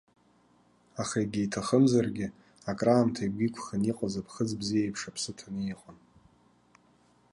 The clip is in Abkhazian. Аха егьа иҭахымзаргьы, акраамҭа игәы иқәхан иҟаз аԥхыӡ бзиеиԥш аԥсы ҭаны иҟан.